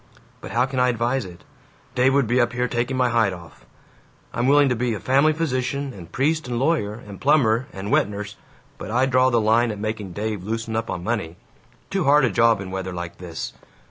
But how can I advise it? Dave would be up here taking my hide off. I'm willing to be family physician and priest and lawyer and plumber and wet nurse, but I draw the line at making Dave loosen up on money. Too hard a job in weather like this!